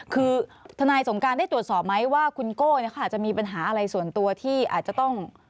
คือทนายสงการได้ตรวจสอบไหมว่าคุณโก้เขาอาจจะมีปัญหาอะไรส่วนตัวที่อาจจะต้อง